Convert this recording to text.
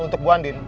untuk bu andin